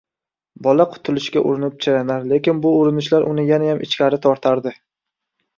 Bola qutulishga urinib chiranar, lekin bu urinishlar uni yanayam ichkari tortardi.